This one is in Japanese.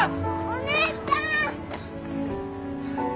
お姉ちゃん。